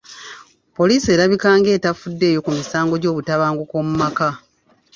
Poliisi erabika nga etafuddeeyo ku misango gy'obutabanguko mu maka.